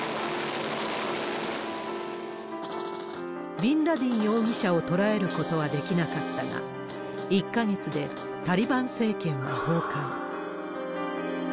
ビンラディン容疑者を捕らえることはできなかったが、１か月でタリバン政権は崩壊。